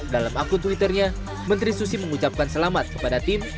dalam akun twitternya menteri susi mengucapkan selamat kepada tim